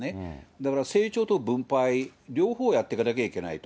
だから成長と分配、両方をやっていかなきゃいけないと。